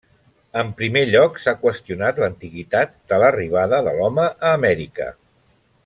En primer lloc, s'ha qüestionat l'antiguitat de l'arribada de l'home a Amèrica.